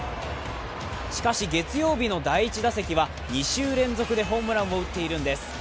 しかし、月曜日の第１打席は２週連続でホームランを撃っているんです。